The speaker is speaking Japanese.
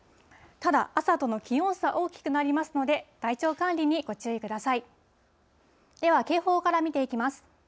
ただ、朝との気温差大きくなりますので、体調管理にご注意ください。